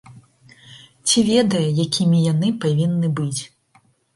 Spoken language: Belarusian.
Ці ведае, якімі яны павінны быць.